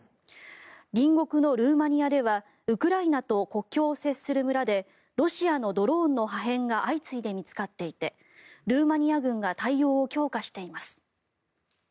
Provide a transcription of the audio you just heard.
隣国のルーマニアではウクライナと国境を接する村でロシアのドローンの破片が相次いで見つかっていてルーマニア軍が対応を強化しています。